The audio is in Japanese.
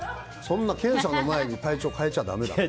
検査の前に体調を変えちゃだめだから。